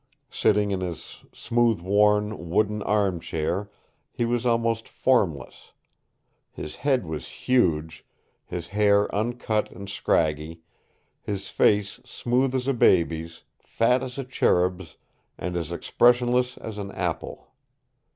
Sitting in his smooth worn, wooden armchair, he was almost formless. His head was huge, his hair uncut and scraggy, his face smooth as a baby's, fat as a cherub's, and as expressionless as an apple.